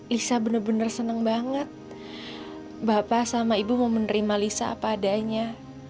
lisa benar benar senang banget bapak sama ibu mau menerima lisa padanya